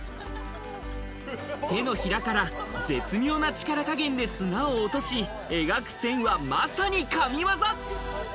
手のひらから絶妙な力加減で砂を落とし描く線は、まさに神業。